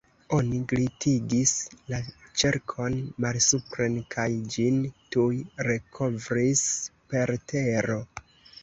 Oni glitigis la ĉerkon malsupren kaj ĝin tuj rekovris per tero.